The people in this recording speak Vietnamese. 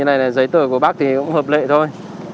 như này giấy tờ của bác thì cũng hợp lệ thôi